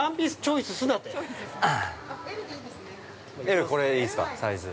◆Ｌ、これいいっすか、サイズ。